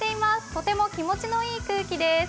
とても気持ちのいい空気です。